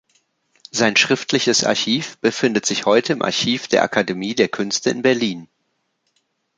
Sein schriftliches Archiv befindet sich heute im Archiv der Akademie der Künste in Berlin.